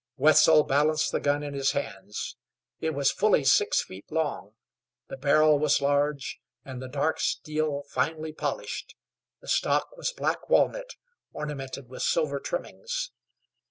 Wetzel balanced the gun in his hands. It was fully six feet long; the barrel was large, and the dark steel finely polished; the stock was black walnut, ornamented with silver trimmings.